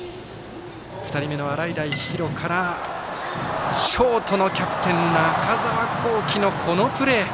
２人目の洗平比呂からショートのキャプテン中澤恒貴のこのプレー！